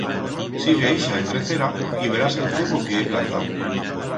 Sigue ixa endrecera y verás el cepo que he plantau.